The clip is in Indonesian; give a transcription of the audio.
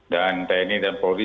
dan tni dan polri